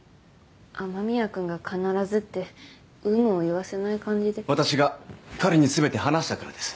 雨宮君が必ずって有無を言わせない感じで私が彼に全て話したからです